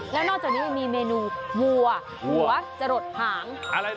แล้วนอกจากนี้ยังมีเมนูวัวหัวจรดหาง